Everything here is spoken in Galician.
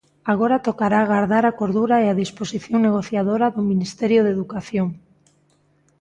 Agora tocará agardar a cordura e a disposición negociadora do Ministerio de Educación.